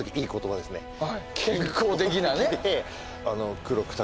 いい言葉ですね。